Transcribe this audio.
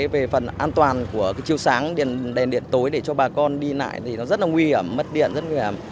về phần an toàn của chiêu sáng đèn điện tối để cho bà con đi lại thì nó rất là nguy hiểm mất điện rất nguy hiểm